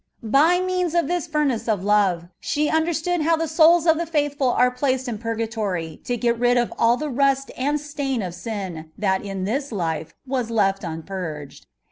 By means of this for nace of love she understood how the souls of the faithful are placed in purgatory to get rid of ali the rust and stain of sin that in this life was lefb un purged.